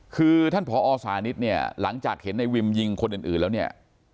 คือท่านผอสานิทเนี่ยหลังจากเห็นในวิมยิงคนอื่นแล้วเนี่ย